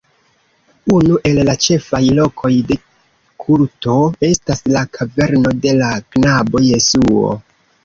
Unu el la ĉefaj lokoj de kulto estas la "kaverno de la knabo Jesuo".